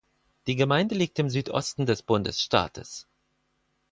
Die Gemeinde liegt im Südosten des Bundesstaates.